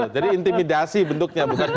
jadi intimidasi bentuknya